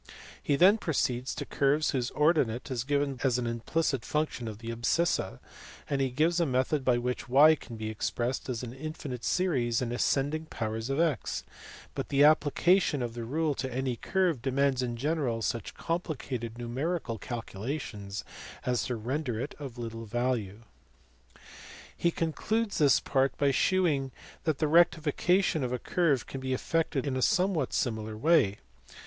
He then proceeds to curves whose ordinate is given as an implicit function of the abscissa ; and he gives a method by which y can be expressed as an infinite series in ascending powers of 05, but the application of the rule to any curve demands in general such complicated numerical calculations as to render it of little value. He concludes this part by shewing that the rectification of a curve can be effected in a somewhat similar way.